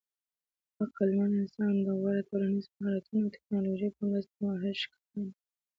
عقلمن انسان د غوره ټولنیزو مهارتونو او ټېکنالوژۍ په مرسته ماهر ښکاریان وو.